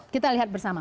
kita lihat bersama